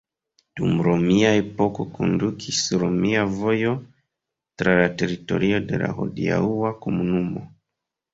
Dum romia epoko kondukis romia vojo tra la teritorio de la hodiaŭa komunumo.